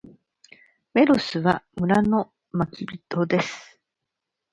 メロスは、村の牧人である。